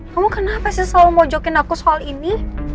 kamu kenapa sih selalu mojokin aku soal ini